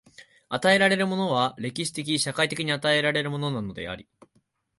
与えられるものは歴史的・社会的に与えられるのであり、